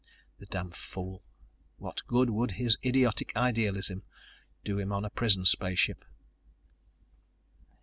The damned fool! What good would his idiotic idealism do him on a prison spaceship?